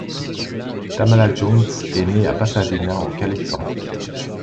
Tamala Jones est née à Pasadena, en Californie.